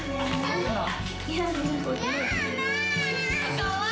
かわいい倖。